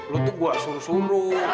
lu tuh gue suruh suruh